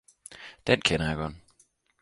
Den kender jeg godt